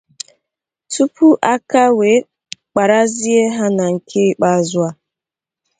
tupu aka wee kpàrazie ha na nke ikpeazụ a.